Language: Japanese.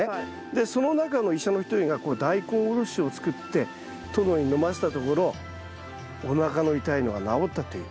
でその中の医者の一人がダイコンおろしを作って殿に飲ませたところおなかの痛いのが治ったという。